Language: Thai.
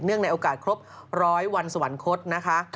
เนื่องในโอกาสครบ๑๐๐วันสวรรคตนะคะ